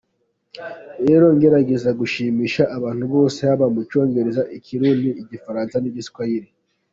Rero ngerageza gushimisha abantu bose haba mu Cyongereza, Ikirundi, Igifaransa n’Igiswahili”.